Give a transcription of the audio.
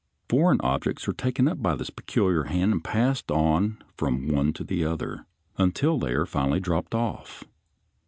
Foreign objects are taken up by this peculiar hand and passed on from one to the other until they are finally dropped off.